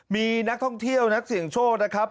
มีนักท่องเที่ยวนักเสี่ยงโชคนะครับ